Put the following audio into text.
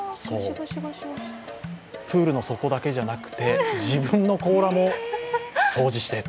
プールの底だけじゃなくて自分の甲羅も掃除して。